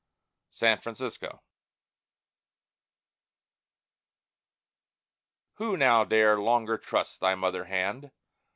SAN FRANCISCO Who now dare longer trust thy mother hand?